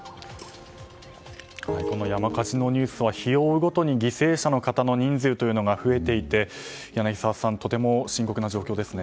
この山火事のニュースは日を追うごとに犠牲者の方の人数というのが増えていて柳澤さん、とても深刻な状況ですね。